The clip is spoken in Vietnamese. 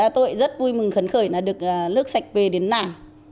tôi rất vui mừng khấn khởi được nước sạch về đến nàng